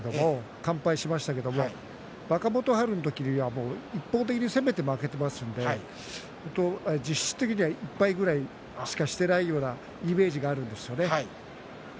完敗しましたけれど若元春の時には一方的に攻めて負けているので実質的には１敗ぐらいしかしていないイメージがあるんです。